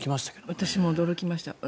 私も驚きました。